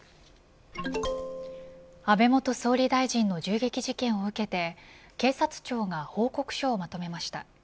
安倍元総理大臣の銃撃事件を受けて警察庁が報告書をまとめました。